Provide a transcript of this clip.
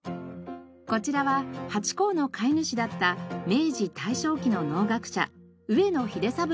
こちらはハチ公の飼い主だった明治・大正期の農学者上野英三郎のお墓。